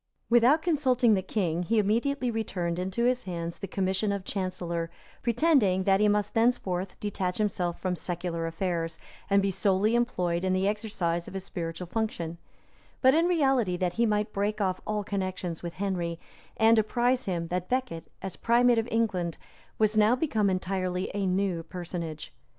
Without consulting the king, he immediately returned into his hands the commission of chancellor; pretending that he must thenceforth detach himself from secular affairs, and be solely employed in the exercise of his spiritual function; but in reality, that he might break off all connections with Henry, and apprise him that Becket, as primate of England, was now become entirely a new personage.